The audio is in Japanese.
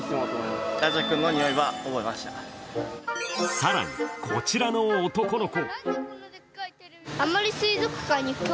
更に、こちらの男の子。